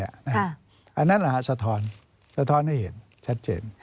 อันนั้นสะท้อนสะท้อนให้เห็นชัดเจน